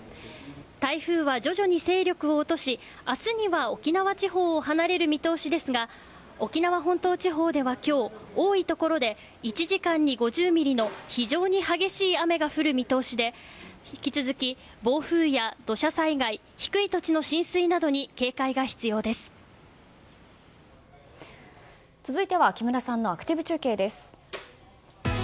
台風は徐々に勢力を落とし明日には沖縄地方を離れる見通しですが沖縄本島地方では今日多いところで１時間に５０ミリの非常に激しい雨が降る見通しで引き続き暴風や土砂災害低い土地の浸水などにいってらっしゃい！